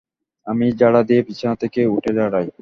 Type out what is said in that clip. আমি ঝাড়া দিয়ে বিছানা থেকে উঠে দাঁড়াই।